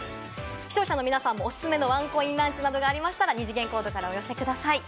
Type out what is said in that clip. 視聴者の皆さんもおすすめのワンコインランチなどがありましたら、二次元コードからお寄せください。